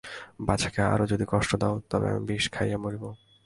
বাছাকে আরো যদি কষ্ট দাও তবে আমি বিষ খাইয়া মরিব।